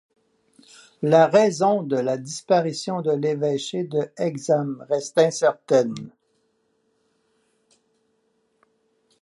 La raison de la disparition de l'évêché de Hexham reste incertaine.